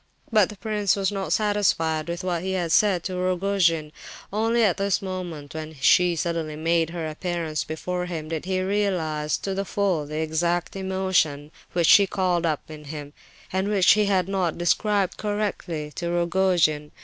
But the prince was not satisfied with what he had said to Rogojin. Only at this moment, when she suddenly made her appearance before him, did he realize to the full the exact emotion which she called up in him, and which he had not described correctly to Rogojin.